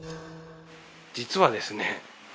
実はですね